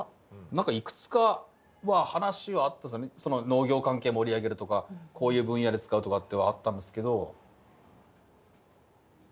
何かいくつかは話はあったすね農業関係盛り上げるとかこういう分野で使うとかってはあったんですけど。